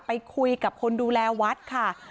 ไปคุยกับคนดูแลวัดค่ะ